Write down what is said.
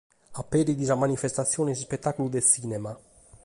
Aberit sa manifestatzione s’ispetàculu de tzìnema.